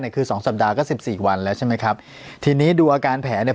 คือสองสัปดาห์ก็สิบสี่วันแล้วใช่ไหมครับทีนี้ดูอาการแผลเนี่ย